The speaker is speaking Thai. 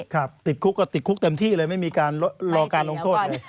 ติดคุกก็ติดคุกเต็มที่เลยไม่มีการรอการลงโทษเลย